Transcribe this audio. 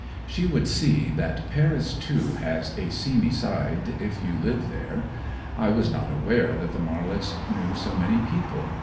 She would see that Paris, too, has a seamy side if you live there. I was not aware that the Marlets knew so many people.